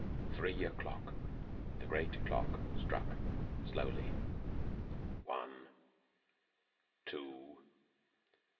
Three o'clock! The great clock struck slowly: one.... two....